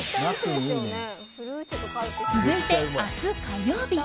続いて、明日火曜日。